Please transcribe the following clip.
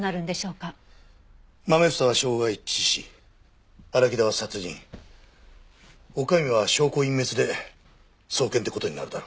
まめ房は傷害致死荒木田は殺人女将は証拠隠滅で送検って事になるだろう。